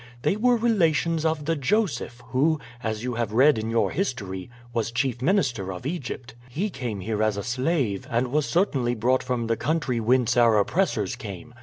They were relations of the Joseph who, as you have read in your history, was chief minister of Egypt. "He came here as a slave, and was certainly brought from the country whence our oppressors came.